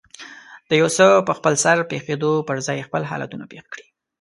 د يو څه په خپلسر پېښېدو پر ځای خپل حالتونه پېښ کړي.